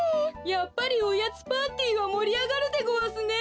やっぱりおやつパーティーはもりあがるでごわすね！